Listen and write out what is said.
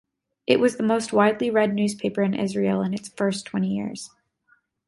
It was the most widely read newspaper in Israel in its first twenty years.